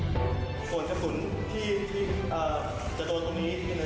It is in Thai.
จะโดนตรงนี้นิดหนึ่งหัวเจ้าสุดแขนนิดหนึ่งเจ้าสะโพกครับ